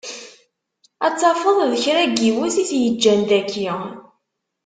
Ad tafeḍ d kra n yiwet i t-yeǧǧan daki.